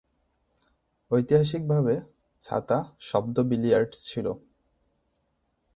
ঐতিহাসিকভাবে, ছাতা শব্দ বিলিয়ার্ড ছিল।